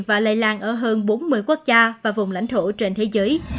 và lây lan ở hơn bốn mươi quốc gia và vùng lãnh thổ trên thế giới